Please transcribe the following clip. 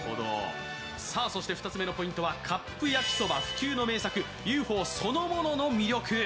２つ目のポイントはカップ焼きそば不朽の名作、Ｕ．Ｆ．Ｏそのものの魅力。